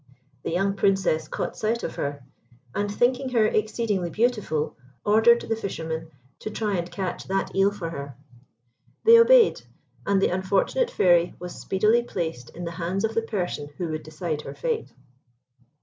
The young Princess caught sight of her, and thinking her exceedingly beautiful, ordered the fishermen to try and catch that Eel for her. They obeyed, and the unfortunate Fairy was speedily placed in the hands of the person who would decide her fate.